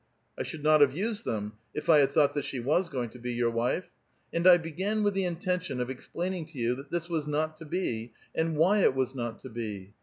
" I should not have used them, if I had thought that she was going to be your wife. And I began witli the ii.tentiou of explaining to you that this was not to be, and why it was not to be.